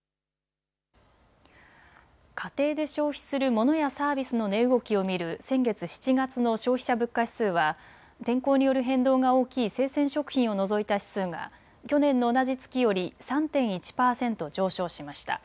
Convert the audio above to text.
家庭で消費するモノやサービスの値動きを見る先月７月の消費者物価指数は天候による変動が大きい生鮮食品を除いた指数が去年の同じ月より３．１％上昇しました。